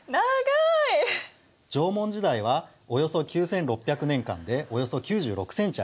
縄文時代はおよそ９，６００年間でおよそ９６センチあります。